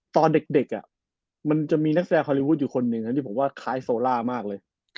ตอนเด็กมันจะมีนักแสดงฮอลลีวูดอยู่คนหนึ่งที่ผมว่าคล้ายโซล่ามากเลย